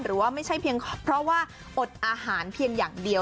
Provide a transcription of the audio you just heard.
ไม่ใช่เพียงเพราะว่าอดอาหารเพียงอย่างเดียว